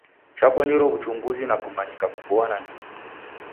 Chabonyero w'uchunguzi na kumanyika kuboa nandighi.